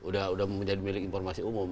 udah menjadi milik informasi umum